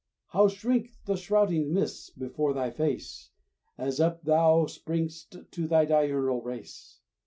How shrink the shrouding mists before thy face, As up thou spring'st to thy diurnal race!